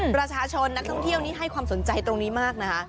ประชาชนนักท่องเที่ยวนี้ให้ความสนใจตรงนี้มากนะคะ